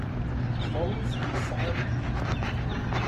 Солунски сајам књига.